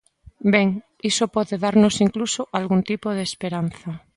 Ben, iso pode darnos incluso algún tipo de esperanza.